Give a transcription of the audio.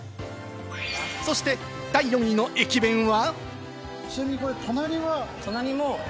そして第４位の駅弁は。